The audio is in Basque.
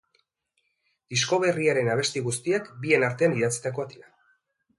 Disko berriaren abesti guztiak bien artean idatzitakoak dira.